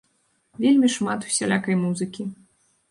Вельмі шмат усялякай музыкі.